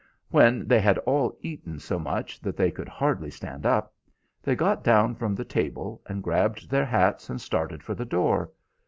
When they had all eaten so much that they could hardly stand up, they got down from the table, and grabbed their hats, and started for the door.